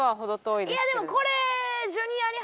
いやでもこれ。